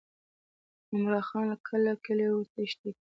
عمرا خان له کلي کوره وتښتېد.